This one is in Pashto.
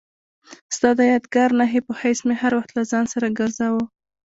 ستا د یادګار نښې په حیث مې هر وخت له ځان سره ګرځاوه.